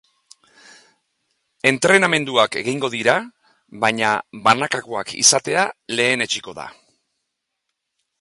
Entrenamenduak egingo dira, baina banakakoak izatea lehenetsiko da.